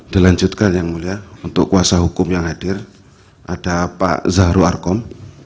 dilanjutkan yang mulia untuk kuasa hukum yang hadir ada pak zahru arkom